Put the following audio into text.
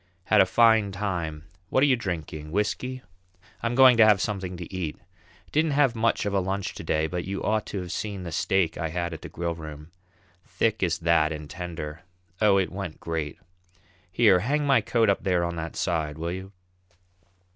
Had a fine time; what are you drinking, whisky? I'm going to have something to eat. Didn't have much of a lunch to day, but you ought to have seen the steak I had at the Grillroom as thick as that, and tender! Oh, it went great! Here, hang my coat up there on that side, will you?"